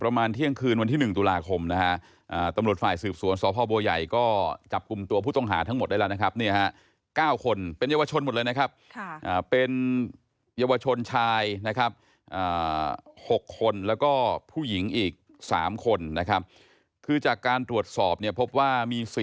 เราก็คิดว่าไม่อยากให้เกิดเหตุงี้อีกมากกว่า